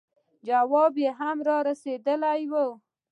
جواب هم رسېدلی وو.